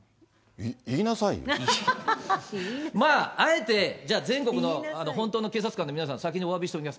まあ、あえて、じゃあ全国の、本当に警察官の皆さん、先におわびしておきます。